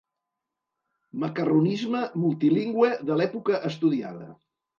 «macarronisme» multilingüe de l'època estudiada.